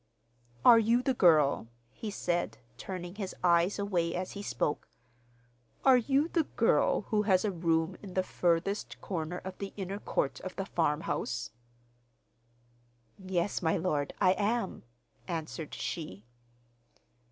'Are you the girl,' he said, turning his eyes away as he spoke, 'are you the girl who has a room in the furthest corner of the inner court of the farmhouse?' 'Yes, my lord, I am,' answered she.